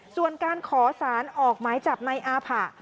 ส่วนการขอสารออกหมายจับในอาผะ